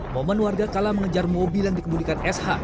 momen warga kalah mengejar mobil yang dikemudikan sh